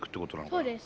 そうです。